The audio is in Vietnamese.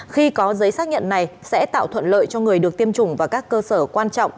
khi có giấy xác nhận này sẽ tạo thuận lợi cho người được tiêm chủng và các cơ sở quan trọng